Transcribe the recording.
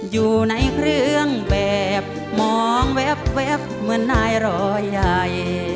อยู่ในเครื่องแบบมองแว๊บเหมือนนายรอใหญ่